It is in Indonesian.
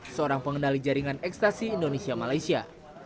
seorang pengendali jaringan ekstasi indonesia malaysia